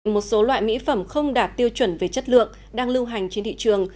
một số loại mỹ phẩm không đạt tiêu chuẩn về chất lượng đang lưu hành trên thị trường